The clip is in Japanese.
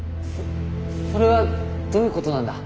そそれはどういうことなんだ？